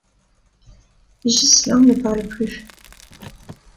Ghislain ne parle plus.